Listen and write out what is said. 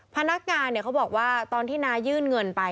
พนักงานเขาบอกว่าตอนที่น้ายื่นเงินไป